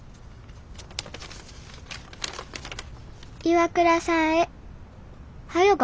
「岩倉さんへはよ